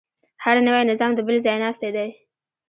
هر نوی نظام د بل ځایناستی دی.